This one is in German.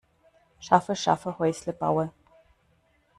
Schaffe schaffe Häusle baue.